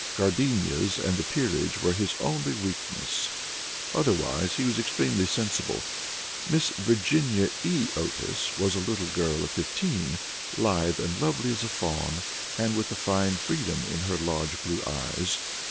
Gardenias and the peerage were his only weaknesses. Otherwise he was extremely sensible. Miss Virginia E. Otis was a little girl of fifteen, lithe and lovely as a fawn, and with a fine freedom in her large blue eyes.